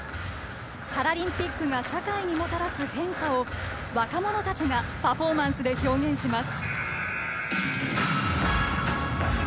パラリンピックが社会にもたらす変化を若者たちがパフォーマンスで表現します。